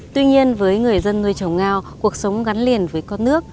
tuy nhiên với người dân nuôi trồng ngao cuộc sống gắn liền với con nước